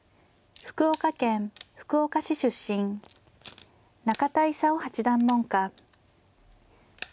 福岡県福岡市出身中田功八段門下。